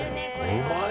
うまい！